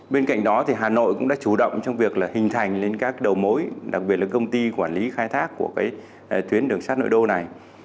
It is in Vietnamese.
bên cạnh đó thì hà nội cũng đã chủ động trong việc là hình thành lên các đầu mối đặc biệt là công ty quản lý khai thác của tuyến đường sát nội đô này